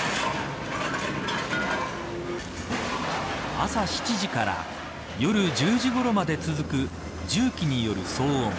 朝７時から夜１０時ごろまで続く重機による騒音。